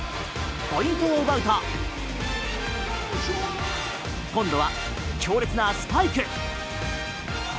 ポイントを奪うと今度は強烈なスパイク。